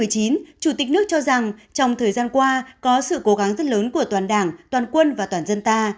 chủ tịch nước cho rằng trong thời gian qua có sự cố gắng rất lớn của toàn đảng toàn quân và toàn dân ta